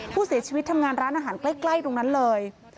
ผู้เสียชีวิตทำงานร้านอาหารใกล้ตรงนั้นเลย